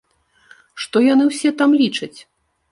Што яны ўсе там лічаць?